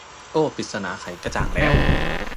โอ้ว ปริศนาไขกระจ่างแล้ว